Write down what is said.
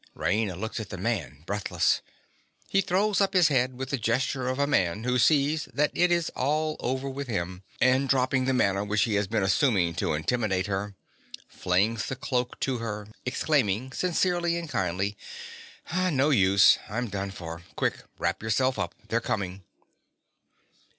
Raina looks at the man, breathless. He throws up his head with the gesture of a man who sees that it is all over with him, and, dropping the manner which he has been assuming to intimidate her, flings the cloak to her, exclaiming, sincerely and kindly_) No use: I'm done for. Quick! wrap yourself up: they're coming!